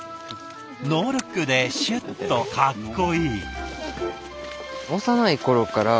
ノールックでシュッとかっこいい。